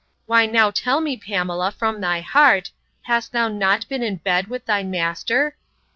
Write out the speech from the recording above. Why now tell me, Pamela, from thy heart, hast thou not been in bed with thy master?